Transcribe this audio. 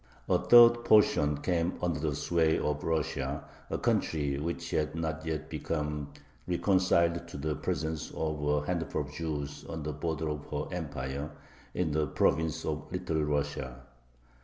A third portion came under the sway of Russia, a country which had not yet become reconciled to the presence of a handful of Jews on the border of her Empire, in the province of Little Russia.